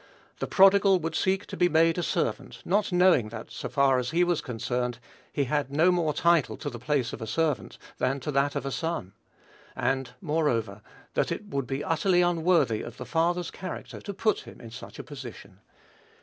The prodigal would seek to be made a servant, not knowing that, so far as he was concerned, he had no more title to the place of a servant than to that of a son; and, moreover, that it would be utterly unworthy of the father's character to put him in such a position.